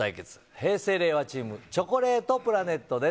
平成・令和チーム、チョコレートプラネットです。